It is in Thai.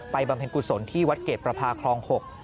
บำเพ็ญกุศลที่วัดเกรดประพาคลอง๖